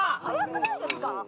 速くないですか？